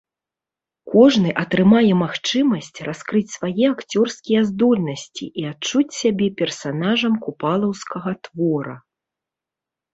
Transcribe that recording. Кожны атрымае магчымасць раскрыць свае акцёрскія здольнасці і адчуць сябе персанажам купалаўскага твора.